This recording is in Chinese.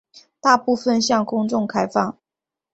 大部分向公众开放。